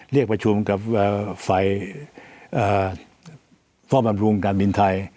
เรียกประชุมกับฝ่ายเฝ้าบำรุงการบินไทย